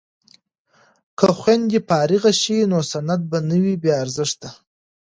که خویندې فارغې شي نو سند به نه وي بې ارزښته.